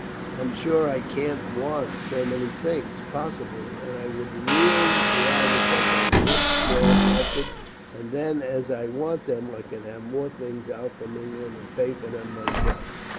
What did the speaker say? I'm sure I can't want so many things, possibly, and I would really rather take a much smaller outfit; and then, as I want them, I can have more things out from England, and pay for them myself."